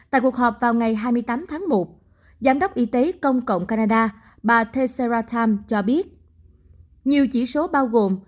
tại cuộc họp vào ngày hai mươi tám tháng một giám đốc y tế công cộng canada bà tessera tam cho biết nhiều chỉ số bao gồm